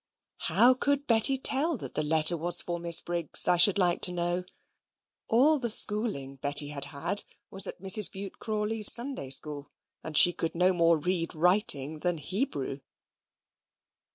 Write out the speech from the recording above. How could Betty tell that the letter was for Miss Briggs, I should like to know? All the schooling Betty had had was at Mrs. Bute Crawley's Sunday school, and she could no more read writing than Hebrew.